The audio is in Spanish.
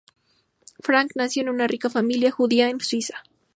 Frank nació en una rica familia judía en Suiza.